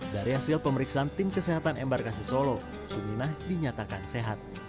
dari hasil pemeriksaan tim kesehatan embarkasi solo suminah dinyatakan sehat